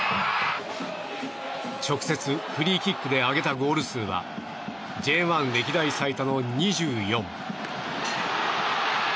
直接フリーキックで挙げたゴール数はＪ１歴代最多の２４。